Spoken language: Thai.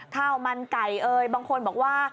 ข้าวมันไก่เอ่ยบางคนบอกว่า